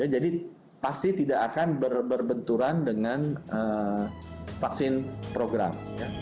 jadi pasti tidak akan berbenturan dengan vaksin program